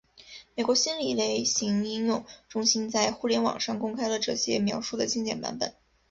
美国心理类型应用中心在互联网上公开了这些描述的精简版本。